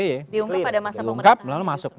diungkap pada masa pemerintah